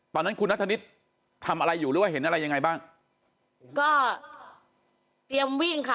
ตอนนั้นคุณนัทธนิษฐ์ทำอะไรอยู่หรือว่าเห็นอะไรยังไงบ้างก็เตรียมวิ่งค่ะ